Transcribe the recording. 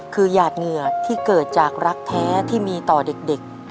คือหยาดเหงื่อที่เกิดจากรักแท้ที่มีต่อเด็ก